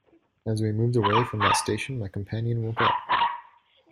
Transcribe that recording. As we moved away from that station my companion woke up.